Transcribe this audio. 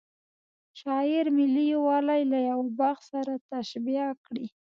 شاعر ملي یوالی له یوه باغ سره تشبه کړی.